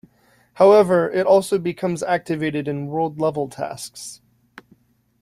However, it also becomes activated in word-level tasks.